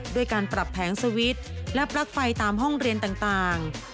ด้วยการปรับแผงสวิตช์และปลั๊กไฟตามห้องเรียนต่าง